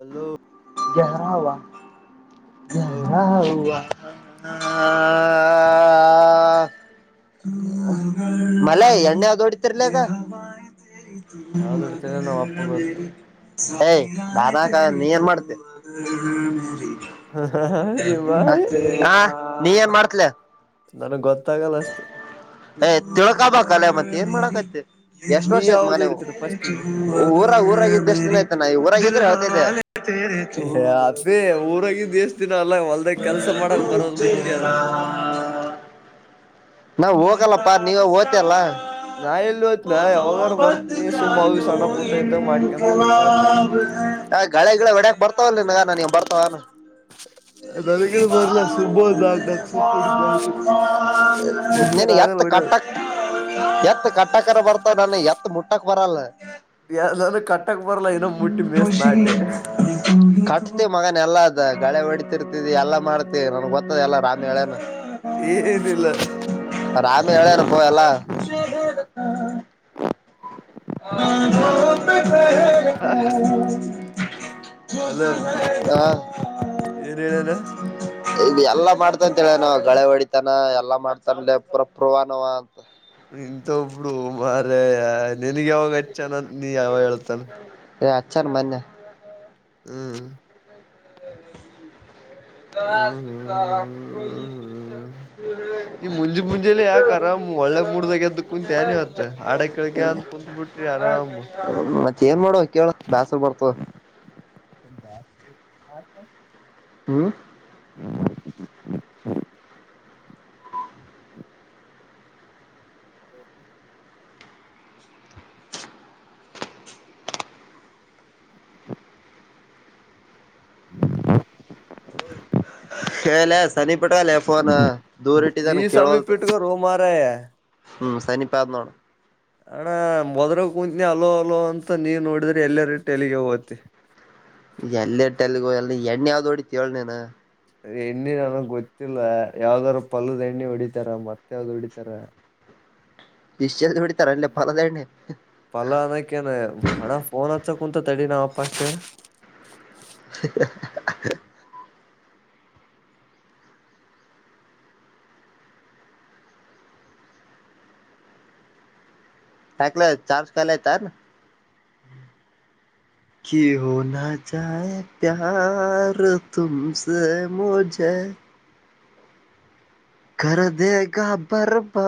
Hello [unintelligible] [inaudible] [inaudible] ಹ. Hello ಮಲೆ ಎಣ್ಣೆ ಯಾವ್ದ ಹೊಡತಿರ್ಲಗ ಯಾವ್ದ್ ಹೊಡಿತೇನ ನಾವ್ ಅಪ್ಪ ಗೊತ್ತ [unintelligible] [unintelligible] ಕಡಕ ನೀ ಮಾಡ್ತೆ. ನಿಮ್ಮ ಹ ನೀ ಏನ್ ಮಾಡ್. ನನಗೆ ಗೊತ್ತ. ಹೇ ತಿಳ್ಕೋ ಬೇಕಲೇ ಮತ್ತೆ ಏನ್ ಮಾಡ್ತಿ. [unintelligible] ಎಷ್ಟ ನೀ ವರ್ಷ ಆಯತ್ ಮಾ ಯಾವ್ದ್ ನೀವು ಹೊಡಿತರಿ ಫಸ್ಟಿಗೆ ಊರ ಊರಾಗ ಬೆ ದಿನ ಆಯತ ನ ಊರಾಗಿದ್ರೆ ಅವ. ಅದೇ ಊರಾಗಿದ್ದ ಎಷ್ಟು ದಿನ ಅಲ್ಲ. ಹೊಲ್ದಾಗ ಕೆಲ್ಸ ಮಾಡಕ್ ಬರೋದು ಮುಖ್ಯ ಹ್ಮ ಅದ [unintelligible] ನಾ ಹೋಗಲ್ಲಪ್ಪಾ ನೀವ [unintelligible] ಅಲ್ಲ [unintelligible] ನಾ ಎಲ್ಲಿ ಹೋತ್ನ ಯಾವಾಗಾರ ಬರ್ತನಿ ಸುಮ್ ಅವು ಸಣ್ಣ ಪುಟ್ಟ ಇದ್ದಾಗ ಮಾಡ್ಕೊಂತ ಕೂಡ್ತನಾಟೆ ಆ ಕಳೆ ಗಿಳ ಹೊಡಕ್ ಬರ್ತಾವ ನಿನ್ಗ ನೀವು ಬರ್ತಾವ. ನನಗೇನು ಬರ್ಲ್ಲ ಸುಮ್ಮ ಒಂದ್ ನಾಕ್ ನಾಕ್ ಸುತ್ತು ಹೊಡಿತನ ಅಷ್ಟೇ [unintelligible] ನನ್ ಹೆಚ್ಚರ್ ಆಗಲ್ಲ ಎತ್ ಹೊಡಿಯೋದು ಕಟ್ಟಕ್ ಎತ್ತ ಕಟ್ಟಕರ ಬರ್ತಾವ ನಾನ ಎತ್ತ ಮುಟ್ಟಕ್ ಬರಲ್ಲ. ಯನಾದು ಕಟ್ಟಕ್ಕೆ ಬರಲ್ಲ ಇನ್ನೊ ಮುಟ್ಟಿ ಮೇಸಿನ ಆಟೆ. ತಿವಿ ಮಗನ್ ಎಲ್ಲಾ ಅ ಗಳೆ ಹೊಡತಿರ್ತವಿ ಎಲ್ಲಾ ಮಾಡ್ತವಿ ನನ್ಗ್ ಗೊತ್ತದ ಎಲ್ಲ ರಾಮಿ ಹೇಳಾನ. ಏನಿಲ್ಲ ರಾಮಿ ಎಳೆಯಾನಪ ಎಲ್ಲ. [inaudible] ಹ ಹಾ ಏನ್ ಹೇಳನ ಈಗ ಎಲ್ಲಾ ಮಾಡ್ತಂತೇಳ ನ ಗಳೆ ಹೊಡಿತಾನ ಎಲ್ಲಾ ಮಾಡ್ತನ್ಲೆ ಪುರ ಪವಾನೋವ ಅಂತ. ಇಂತ ಇಪ್ಪಡು ಮರ ನನ್ಗೆ ಯಾವಾಗಚ್ಚಾನ ನೀ ಯಾವಾಗ ಹೇಳ್ತಾನ. ಎ ಅಚ್ಚನ್ನ ಮನ್ನೆ. ಹ್ಮ್ [inaudible] [inaudible] [inaudible] ಹ್ಮ್ ಹ್ಮ್ ಈ ಮುಂಜೆ ಮುಂಜೆಲಿ ಯಾಕ ಆರಾಮ್ ಒಳ್ಳೆ ಮೂಡ್ದಾಗ ಎದ್ದು ಕುಂತೇನ್ ಇವತ್ತ ಹಾಡ ಕೇಳ್ಕ ಅಂತ ಕುಂತ್ ಬಿಟ್ರಿ ಆರಾಮ್ ಏನ್ ಮಾಡ್ಬೆಕ್ ಹೇಳ್ ಬ್ಯಾಸರ್ ಬರ್ತದ. [inaudible] ಹ್ಮ್ [inaudible] [inaudible] ಹೇಳ ಸನಿಪಟ್ಟಲ್ಲಫೋನ್ ದೂರ್ ನೀ ಇಟ್ಟಿದಾನ ಸಮೀಪ ಕೇಳೊವಲ್ತ್. ಇಟ್ಕೋರೋ ಮಾರಾಯ ಹ್ಮ್ ಸನಿಪಾ ಅದ್ ನೋಡು. ಅಣ್ಣ ಮೊದ್ರ ಕೂಂತ್ನಿ ಅಲೋ ಅಲೋ ಅಂತ ನೀವ್ ನೋಡಿದ್ರೆ ಎಲ್ಲರೂರಿಟ್ಟಿ ಎಲ್ಲಿಗೆ ಓತಿ. ಎಲ್ಲಿಟ್ ಎಲ್ಲಿಗೋ ಎಲ್ಲಿ ಎಣ್ಣಿ ಯಾವ್ದ ಹೊಡತಿಯ ಹೇಳ್ ನೀನ. ಎಣ್ಣೆ ನನಗ್ ಗೊತ್ತಿಲ್ಲ ಯಾವ್ದಾರ ಪಲ್ಲದ ಎಣ್ಣೆ ಹೊಡಿತಾರ ಮತ್ತ ಯಾವ್ದ ಹೊಡಿತಾರ. ಇಷ್ಟ ಜಲ್ದಿ ಹೊಡಿತಾರ ಅಲ್ಲೇ ಪಲದ ಎಣ್ಣೆ ಪಲನಕನ ಅಣಫೋನ ಹಚ್ಚಕುಂತ ತಡಿ ನಮ್ ಅಪ್ಪ. ಪಕ್ಷೆ [inaudible] ಯಾಕ್ಲೆ ಚಾರ್ಜ ಕಾಲಿಯಾಯ್ತೆನ್. ಕಿ ಹೊನ ಚಾಹೆ ಪ್ಯಾರ್ ತುಮ್ಸೆ ಮುಜೆ. ಎ ಕರೆದೆಗಾ ಬರ್ಬಾರ್.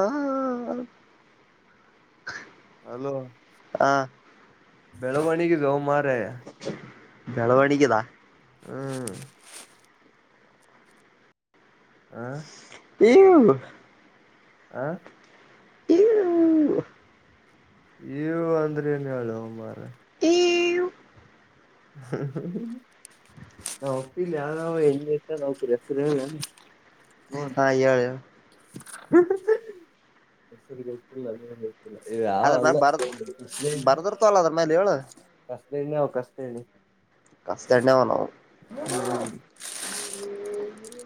ಹಲೋ ಬೆಳವಣಗೆ ಜಾವ ಮಾರಾಯ. ಬೆಳವಣಿಗೆದಾ ಹ್ಮ್ ಹ [inaudible] ಹಾ [inaudible] ಈವ್ ಅಂದ್ರೆ ಏನ್ ಹೇಳೋ ಮಾರಾಯ್. ಈವ್ [inaudible] ನಾ ಒಪ್ಪಿಲ್ಲ ಯಾವಾವ ಹೆಂಗ್ [unintelligible] ನ್ರ ಹೆಸರ್ ಹೇಳ. ಹಾ ಹೇಳ್ ಯ [inaudible] ಇ ಅದ್ರ ಮ್ಯಾಲ ಯಾವಲ್ಲ ಬರ್ದ ಬರ್ದಿರ್ತವಲ್ಲ ಅದ್ರ ಮೇಲೆ ಹೇಳು ಕಸ್ದ್ದೆಣ್ಣೆ ಅವ್ ಕಸ್ದ್ದೆಣ್ಣೆ. ಕಸ್ದ್ದೆಣ್ಣೆ [unintelligible] ಹ್ಮ್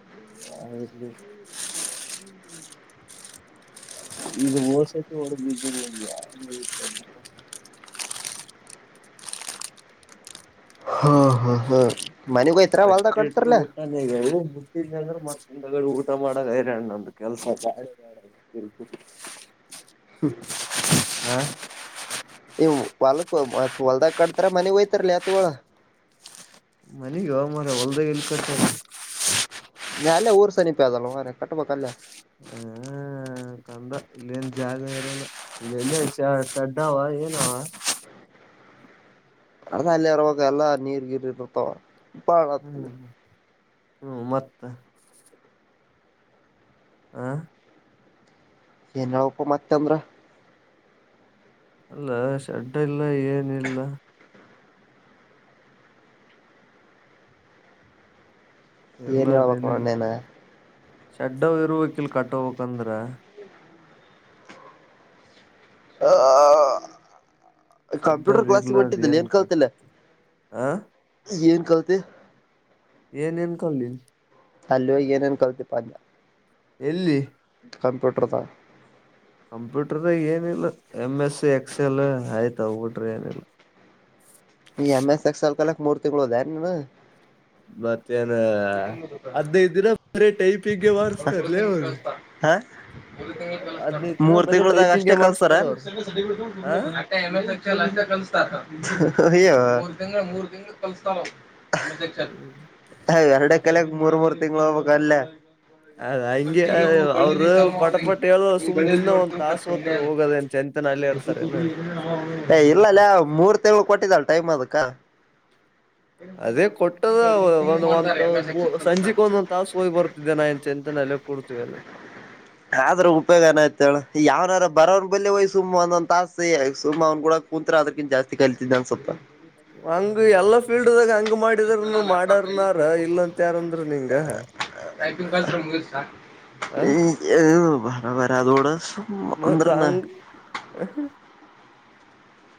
[inaudible] ಈಗ್ [unintelligible] [unintelligible] [unintelligible] ಓ ಹಾ ಹಾ ಮನೆಗ್ ಹೋಯ್ತಾರ ಹೊಲ್ದಾಗ ಕಷ್ಟಿ ಇಟ್ಟು ಕಟ್ತಾರಲ್ಲ ಟ್ಟಾನೆಗ ಎ ಮುಟ್ಟಿದ ಅಂದ್ರೆ ಮತ್ತ್ ಚಂದಗ್ ಊಟ ಮಾಡಾಗ [unintelligible] ನಮ್ದು ಕೆಲ್ಸಾರಿ ಹ್ಮ ಹ್ಮ ಈ ಹೊಲ್ಕ್ ಮ ಹೊಲ್ದಾಗ ಕಡ್ತಾರ ಮನೆಗ್ ಹೊಯ್ತರ್ಲ ಎತ್ಗೋಳು? ಮನೆಗ್ಯೊ ಮಗ ಹೊಲ್ದಾಗ ಎಲ್ಕಟ್ ಏ ಅಲ್ಲೆ ಊರು ಸಮಿಪ ಅ ಆದಲ ಮಾರಾಯ್ ಕಟ್ಟ್ಬೇಕ್ಕಲ್ಲ. ಕಂದ್ರ ಇಲ್ಲೇನ್ ಜಾಗ ಇರಲ್ಲ [unintelligible] ಅದ ಅಲ್ಲಿರವಾಗ ಎಲ್ಲಾ ನೀರ್ ಗಿರ್ ಇರ್ತಾವ ಬಾಳತಲ್ಲ. ಹ್ಮೂ ಮತ್ತೆ ಆ ಏನ್ವುಕ್ಕು ಮತ್ತ ಅಂದ್ರ ಅಲ್ಲ ಶೆಡ್ಡ್ ಇಲ್ಲ ಏನಿಲ್ಲ ಎಲ್ಲ ಏನ್ ಹೇಳ್ಬೇಕ ಅದೇನೆನ್ ನೋಡಣ್ಣ ಕಟ್ಟ್ ಶೆಡ್ಡು ಇರುವಕಿಲ್ ಕಟ್ಟೋಬೇಕಂದ್ರ. ಹ ಕಂಪ್ಯೂಟರ್ ಶೆಡ್ಡದ್ ಕ್ಲಾಸ್ ಇರ್ಲಾರ್ದ ಹೊಂಟಿದ್ದಲ್ಲ್ ಏನ್ ಕಲ್ತೆಲ್ಲಿ ಕಟ್ಟತ್ ಆ ಏನ್ ಕಲ್ತಿ ಏನೇನ್ ಕಲಿ ಅಲ್ಲೋಗ್ ಏನೇನ್ ಕಲ್ತಿ ಪಾಠ ಎಲ್ಲಿ ಕಂಪ್ಯೂಟರ್ದಾ. ಕಂಪ್ಯೂಟರ್ದಾಗ್ ಏನಿಲ್ಲ ಎಮ್ ಎಸ್ಸು ಎಕ್ಸೆಲ್ ಆಯ್ತ್ ಅವ್ ಬಿಟ್ರೆ ಏನಿಲ್ಲ. ಈ ಎಮ್ ಎಸ್ ಎಕ್ಸೆಲ್ ಕಲ್ಯಕ್ ಮೂರ್ತಿಂಗಳ್ ಹೋದ ನೀನು? ಬ ತೇರ ಹದ್ನೖದಿನ ಬರ ಟೈಪಿಂಗೆ ಮಾವಡ್ಸ್ತಾರಲೆ ಅವರ್ ಹ ಮೂರ್ ತಿಂಳದಾಗ ಅಷ್ಟೇ ಕಲ್ಸ್ತಾರ. ಮಾಡಿಸತಾರ ಅವ್ರು ಮೂರ್ ತಿಂಗಳು ಆ ಮೂರ್ ತಿಂಗಳು ಕಲಸ್ತಾನವ್. ಹ್ಮ್ ಎರಡೂಕಡೆ ಕಮೂರ್ ಮೂರ್ ತಿಂಗ್ಳೋಗ್ಬೇಕ ಅಲ್ಲೇ. ಅದ ಹಂಗೆ ಅವರು ಪಟ ಪಟ ಹೇಳ ಸುಮ್ ದಿನ ಒಂದ್ ತಾಸ ಹೋತಾರ ಹೋಗೋದೇನ್ ಚಂತನ ಅಲ್ಲೇ ಇರ್ತಾರೇನು [unintelligible] ಏ ಇಲ್ಲಲೆ ಆ ಮೂರ್ ತ್ತೆ ಕೊಟ್ಟಿದ್ದಳ್ ಟೈಮ್ ಅದಕ್ಕ. ಅದೇ ಕೊಟ್ಟದವ್ ಒ ಒಂದು ಸಂಜಿಕ್ ಒಂದೊಂದ್ ತಾಸ್ ಹೋಗಿ ಬರ್ತಿದ್ದೆ ನಾ ಎಂತ [unintelligible] ಕೊಡ್ತವೇನೆ. ಆದ್ರ ಉಪಯೋಗ ಏನಾಯ್ತ್ ಹೇಳು ಯಾರ ಬರವ್ ಬರ್ಲಿ ಒಯ್ ಸುಮ್ ಒಂದೊಂದ್ ತಾಸು ಸುಮ್ ಕೂಡ ಕುಂತ್ರ ಅದಕ್ಕಿನ್ ಜಾಸ್ತಿ ಕಲಿತಿದ್ದೆ ಅನ್ಸತ್ತ. ಒಂದು ಎಲ್ಲಾ ಪಿರ್ಡ್ದಾಗ ಹಂಗ್ ಮಾಡಿದ್ರುನೂ [unintelligible] [unintelligible] ಮಾಡ್ ಆ ಮತ್ತ ಮಕ್ಕೊಂದ್ರನ್ನ ಹಂಗ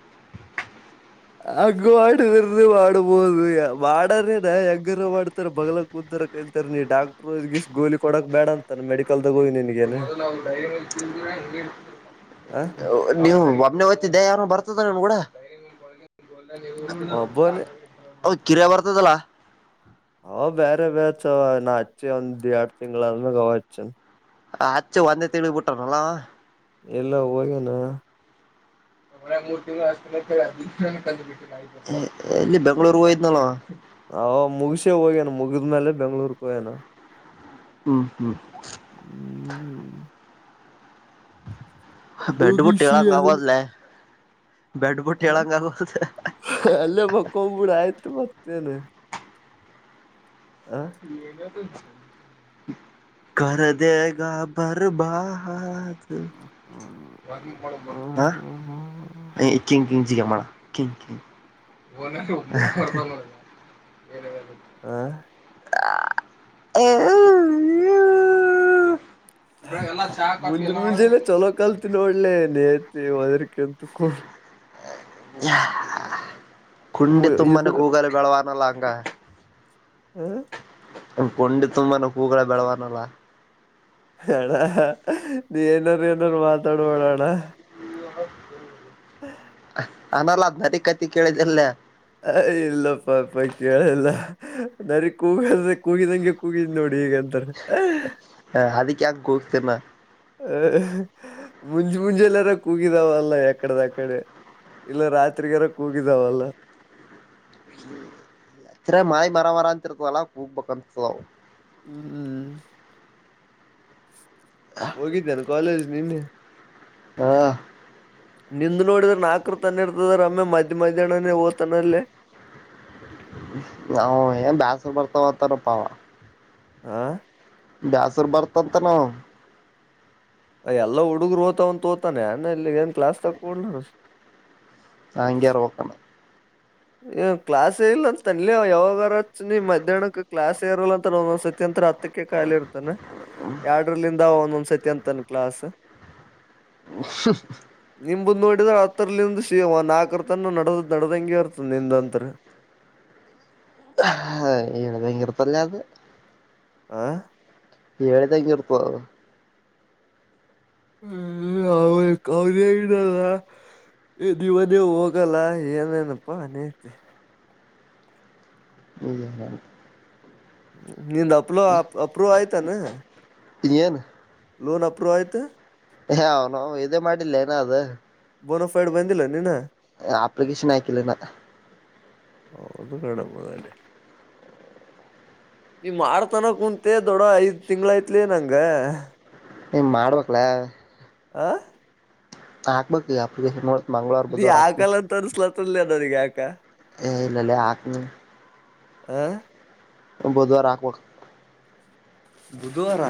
[unintelligible] ಹಂಗ ಮಾಡಿದ್ರ ಮಾಡಬೋದು ಮಾಡಾನೇದ ಹೆಂಗನ ಮಾಡ್ತಾರ ಬಗಲ್ ಕುಂತ್. ಕಲಿತಾರೆ ಕಲ್ತಾರೆ ನೀ ಡಾಕ್ಟರು ಕೂಲಿ ಕೊಡಕ್ ಬೇಡ ಅಂತ ಮೆಡಿಕಲ್ [unintelligible] ಆ ನೀವು ಒಬ್ನೇ ಹೊತಿದ್ದ ಯಾರು ಬರ್ತದಾನ್ ನಿಮ್ ಕೂಡ. ಒಬ್ಬನ ಅವ್ ಕಿರ ಬರ್ತದಲ್ಲ ಅವ ಬೇರೆ ಬ್ಯಾಚ್ವ ನಾ ಹಚ್ಚಿ ಒಂದ್ ಎರಡ್ ತಿಂಗ್ ಆದ್ಮ್ಯಾಗ ಅವಚ್ಚನ್. ಆ ಅಚ್ಚು ಒಂದೇ ತಿಂಗಳಿಳಗ ಬಿಟ್ಟರನಲ್ಲಾ ಅವಾ. ಎಲ್ಲೊ ಹೋಗ್ಯನಾ? ಎಲ್ಲಿ ಬೆಂಗ್ಗಳೂರ್ ಹೋಯಿದ್ನಲ್ವ. ಅವ ಮುಗಸೆ ಹೋಗ್ಯನ ಮುಗಿದ್ಮೇಲೆ ಬೆಂಗ್ಳೂರ್ಕ ಹೋೋಗ್ಯನ ಹ್ಮ್ ಹ್ಮ್ ಹ್ಮ್ ಬೆಡ್ ಬುಟ್ಟ ಮುಗಿಸಿ ಹೇಳಳಂಗಗೋದಲ್ಲ ಅಲ್ಲೇ ಬಕ್ಕೋಗ್ಬಿಡ ಆಯ್ತು ಮತ್ತೇನೆ ನೀನ ಕದಗಾ ಬರ್ಬಾದ ಹ ಹ ಇಕಿಂಗ ಚಿಗ ಮಾಡ ಹೇಳೇರೆ ಬ [unintelligible] ಹ ಹ ಮುಂಜಿ ಮುಂಜೆಿಲ್ಲ ಚಲೋ ಕಲ್ತ ನ ಒೋಡ್ಲೆೇ ನತ್ ವುದ್ರಕ್ಕೆಂತ ಕೋಡ್ ಕುಂಡಿ ತುಂಬನೆ ಇದು ಕೂಗಲು ಬೆಳವಾನಲ್ಲ [unintelligible] ಗಾ ಹ್ಮ ಕೊಂಡಿ ತುಂಬಾನ ಹೂಗಳ ಬೆಳವಾನಲ್ಲ ಅಣ್ಣ ನೀ ಏನಾರ ಏನಾರ ಮಾತಾಡಬೋಣ ಅಣ್ಣ ಅನ್ನ ಲದನ ರೀ ಕತಿ ಕೇಳ ಚಲ್ಲ ಅ ಇಲ್ಲಪ್ಪಪ್ಪ ಕೇಳಲ್ಲ ನರಿ ಕೂಗಲ್ ಕೂಗಿದಂಗೆ ಕೂಗಿದ ನೋಡಿ ೀಗ ಧರ [unintelligible] ಲ್ಲ ಹ ಮುಂಜಿ ಮುಂಜೆ ಎಲ್ಲಾರ ಕುೂಗಿದಾವಲ್ಲ ಎಕಡದಕ್ಕಡೆ ಇಲ್ಲ ರಾತ್ರಿಗಾರಕ್ ಹೋಗಿದಾವಲ್ಲ ಯತ್ತರ ಮಾರ ಮರಾಮರ ಅಂತರ ತು ಅಲ್ಲ ೂ ಬಕಂತ [unintelligible] ಹ್ಮ್ ಹೋಗಿದ್ದೇಾನು ಕಾಲೇಜ ನಿನ್ನೆ ಹಾ ನಿಂದು ನೋಡಿದರೆ ನಾಲ್ಕರು ತನ್ನೆ ಇರ್ತದ ರಮ್ಮೆ ಮಧ್ಯೆ ಮಧ್ಯಾಹ್ನೇ ಓದ್ ನಾ್ ಏ ಬ್ಯಾಸ ಬರ್ತಾವತಾರಪ್ಪ ಅವ ಆ ಬ್ಯಾಸರ್ ಬರ್ತದ ಅಂತಾನ ಅವ ಎಲ್ಲ ಹುಡುಗರು ಓ್ತಾವ ಅಂತ ೋತಾನೆ ಅಾನ ಇಲ್ಲಿಗ ಏನ್ ಕ್ಲಾಸ್ ತಕೊಂಡ ನಾಂಗ್ಯ ಅರವಾಕ್ಕಣ ಏ ಕ್ಲಾಸ್ ಇಲ್ಲ ಅಂತ ಅನ್ ಯಾವಾಗರತ್ ನೀ ಮಧ್ಯಾಹನಕ್ ಕ್ಲಾಸ್ ಇರಲ್ಲ ಅಂತ ನ ಸತ್ಯಂತ ಹತ್ತಕ್ಕೆ ಕಾಯಾಲಿ ಇರ್ತಾನ ಎರಡರ್ಲಿಂದ ಒಂದೊಂದ್ಸತಿ ಅಂತನ್ ಕ್ಲಾಸ್ ಸುಫ ಎರಡ್ ಹತ್ತರಲ್ಲಿಂದು ಸ ಸಿ ನಾಲ್ಕರ ತನ ನಡ ನಡದಂಗೆ ನಿಂದತ್ರ ಹ ಈಳ ಭಯಂಗರತಲ್ಲ ಅ ಆ ಏಳದ್ಯೂರುೂಪ ಹ್ಮ್ ಅವ ಕ ಇಡಲ್ಲ ದುವದೇ ಹೋಗಲ್ಲ ಏನೇನಪ್ಪಾ ಅನೇತೆ ಹದ ನಿಂದ ಅಪ್ಲೋ ಅಪ್ರೋ ಆಯ್ತಾನ ಏನ್ ಲೋನ್ ಅಪ್ರೂವ್ ಆಐತೆ ಹ ಅವ್ನು ಇದೇ ಮಾಡಿಲ್ಲ ಏನದು ಬೋಫೈಡ್ ಬಂದುಂದಿ ನನಿ ನಾ ಅಪ್ಲಿಕೇಶನ್ ಆಯಕಿಲ್ಲ ನ ಹ ಅದು ಕಡಬಲ್ಲೆ ನೀ ಮಾಡತನಕ ಕುಂಂತೆೆ ದೊಡ್ಡ ಐದ್ ತಿಂಗಗಳ ಐತ್ಲಿ ನಂಗಂಗ ನೀ ಮಾಡ್ಬೇಕಕ್ಲ ಆ ಹಾಗ ಬಕ ಜ ನೀ ಆಕಲ್ಲ ಅಂತ ಅನ್ಸ್ಲತ್ತನ್ಲ ಅದನಿಗೆ ಆಕ ಏ ಇಲ್ಲಲ್ಲ ಹಾಕತೀನಿ ಆ ಬುದವ ರಾಕಬೇಕ ಬುಧವಾರ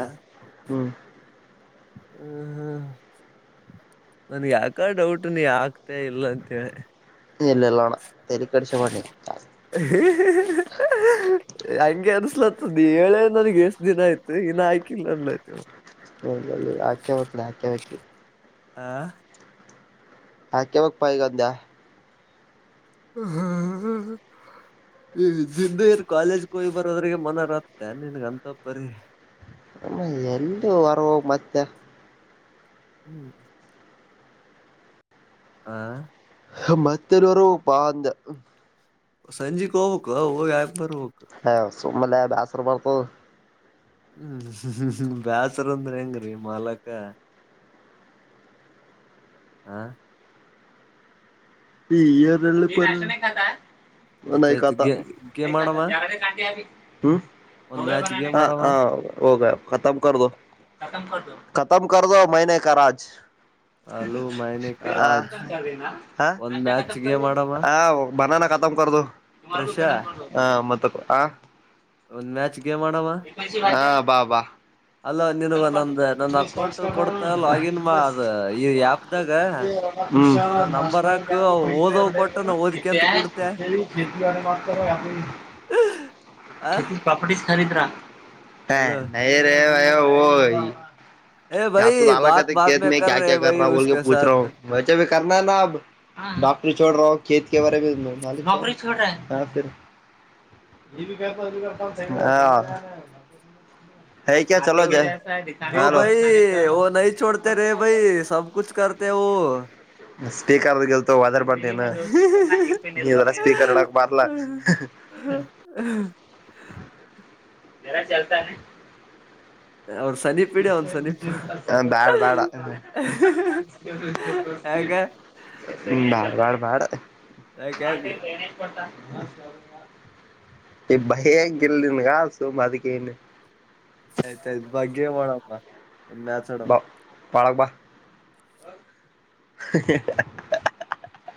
ಹ್ಮ್ ಹ್ಮ ಹ್ಮ ನನಗ ಯಾಕ ಡೌಟ್ ನೀ ಆಗ್ತ ಇಲ್ಲ ಅಂತೇಳಿ ಇಲ್ಲ ಇಲ್ಲ ಅಣ್ಣ ತಲಿ ಕೆಡಿಸ್ಕೋಬೇಡ ನೀ ಹ ಹಂಗೆ ಅನ್ಸ್ಲತ್ತದ ಹೇಳೇ ನನಗ್ ಎಷ್ಟು ದಿನಯ್ತು ಇಿನ ಆಯ್ಕಿಲ್ಲ ಅಂದಲಾಯತ ಆಕೆ ಹೋಗತನ ಹಾಕೆ ಹಕಿ ಆ ಹಾಕೆ ಮಾಗ ಪೈಗಂದ್ಯಾ ಹ್ಮ್ ಈದ್ದ ಇರ್ ಕಾಲೇಜ ಹೋಗ್ ಬರೋದ್ರಿಗೆ ಮನರತ್ತೆ ನಿನ್ಗಂತಪ್ಪರಿೀ ಆಮ್ಮ ಎಲ್ಲ ವರವ ಮತ್ತೆ ಹ್ಮ್ ಹ ಮತ್ತನರ ಹೊರ ಹೋಗನ ಪಾ ಅಂದ ಸಂಜೆಕ್ ಹೋಗ್ಬೇಕಕ್ ಹೋಗ ಹಾಕ ಬರ್ಬೇಕು ಹ ಸುಮ್ಮಲ್ಲ ಬಾಸರು ಮಾಡರ್ತ ಹ್ಮ್ ಬ್ಯಾಸ ರ್ ಅಂದ್ರೆ ಹೆಂಗ್ರೀ ಮಾಲಕ್ಕ ಹ ಈ ಈಏರ್ಳ್ಳಿ ಇ ಎ ಆಯ್ತಾಯ್ತು ಕತಾ ಗೆ ಗೇಮ್ ಆಡಮ್ಮ ಹ್ಮ ಒಂದ್ ಮ್ಯಾಚ್ [inaudible] ಗೇಮ್ ಹ ಆಡಮ್ಮ ಹೋಗ ತ್ಮದ [inaudible] ತ್ಮ ಕದೋ ಮಹನೆ ಕಾಾಜ ಹಲೋ ಮೈನೆ ಕಾ ಹ ರಾಜ್ ಹ ಒಂದ್ ಮ್ಯಾಚ್ ಗೇಮ್ ಆಡಮ್ಮ ಹ ಬನಾನ ತ್ಮ ಕೊದು ಪ್ರಶಾ ಹ ಮತ್ತ ಹ ಒಂದ್ ಮ್ಯಾಚ್ ಗೇಮ್ ಆಡಮ ಹಾ ವಾ ಬಾ ಅಲ್ಲ ನಿನಗ ನಂದ ನನ್ ಅಕೌಂಟ್ ಸಂಸ್ಕ ಕೊಡ್ತ ನಾ ಲಾಗಿನ್ ಮಾ ಅದ ಈ ಆ್ಯಪ್ದಾಗ ನನ್ ನಂಬರ್ ಹಾಕು ಕ ಪೈಸ ಓದವ್ ಕೊಟ್ಟ ನಾ ಓದ್ಕಂತ ಕೂಡ್ತೆ ಹಟೆಲ್ ಶೇ ಮಾಡ ಮಾಡ್ತ ಆ ೇತಿ ಪ್ರಾಪರ್ಟಿ ಹ ನ ರ ಹಲೋ ಏ ಕ ಭೈ ತ ಾಲ ಬಾತ್ ಕತೆ ಬಾತ್ ಕೇದ ಮೇ ಕರ್ ಕ ರೇ ಭೈ ಕ್ರಾ ಬೋಲ್ಕ ಉಸ್ಕೆ ಪೂಚ್ ರಾ ಸಾತ್ ಹ ವೆಚೆರ್ನಾ ನಾ ಅಬ್ಾಕ್ ಚೋಡ ರೇತ ಬಾರ ಹ ಹ ಓ ಭೈ ವ ನ ಚೋಡತೆ ರ ಭೈ ಸಬ್ ಕುಛ ಕತ ಹ ಸ್ಪೀಕರ್ದ ಗೆಲ್ತವ ಹದಾರ್ ಬರ್ನ ನೀರ ಸ್ಪೀಕರ್ ಹಡಕ್ ಬಾರಲ ಹ್ಮ ಹ ಬರ ಚಲ್ತಾನ ಅವ್ರ ಸನೀಪ್ ಇಡಿ ಅವ್ನ್ ಸನೀಪ್ ಹ ಬ್ಯಾಡ ಬ್ಯಾಡ ಹ್ಮ ಯಾಕ ಬ ಬ ಬ್ಯಾಡ ಯಾಕ ಯಾಕ ಈ ಭಯಂಗಲ್ನ್ಗ ಸು ಅದಕ್ಕೆೇನು ಈಯಿತಾ ಐ ಬಗ್ಗೆೇ ಮಾಡಡಮ್ಮ ಒ ಮೆಚಡ ಬಾ ಹೊಳಗ ಬಾ